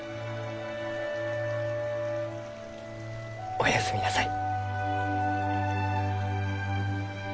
おやすみなさい。